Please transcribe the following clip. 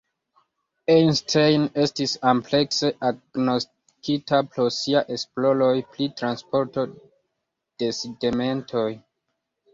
Einstein estis amplekse agnoskita pro sia esploroj pri transporto de sedimentoj.